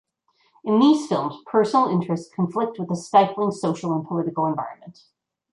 In these films personal interests conflict with the stifling social and political environment.